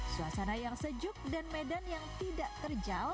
suasana yang sejuk dan medan yang tidak terjal